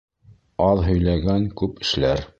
Аҙ һөйләгән күп эшләр.